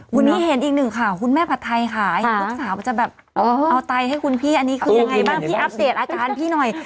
วันนี้เห็นอีกหนึ่งข่าวคุณแม่ผัดไทยค่ะเห็นลูกสาวจะแบบเอาไตให้คุณพี่อันนี้คือยังไงบ้างพี่อัปเดตอาการพี่หน่อย